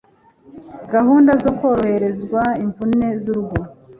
gahunda zo kworoherezwa imvune z'urugo